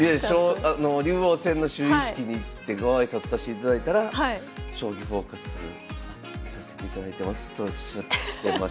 竜王戦の就位式に行ってご挨拶さしていただいたら「『将棋フォーカス』見させていただいてます」とおっしゃってましたよ。